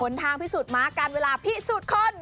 ทางพิสูจน์ม้าการเวลาพิสูจน์คน